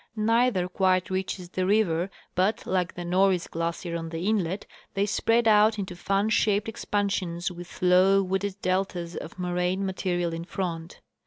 Neither quite reaches the river, but, like the Norris* glacier 'on the inlet, they spread out into fan shaped expansions with low wooded deltas of mo raine material in front.